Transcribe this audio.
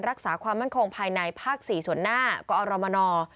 รักษาความมั่นคงภายในภาค๔ส่วนหน้ากอรมน